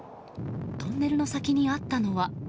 トンネルの先にあったのは。